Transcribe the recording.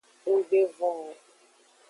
Nggbe von o.